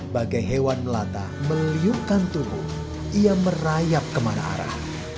bagai hewan melata meliupkan tubuh ia merayap kemana arah